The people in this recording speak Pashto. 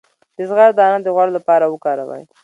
د زغر دانه د غوړ لپاره وکاروئ